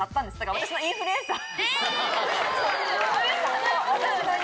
私のインフルエンサー。